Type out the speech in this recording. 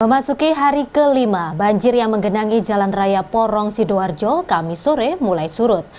memasuki hari kelima banjir yang menggenangi jalan raya porong sidoarjo kami sore mulai surut